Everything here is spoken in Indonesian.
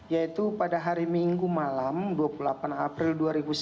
yaitu pada hari minggu malam dua puluh delapan april dua ribu sembilan belas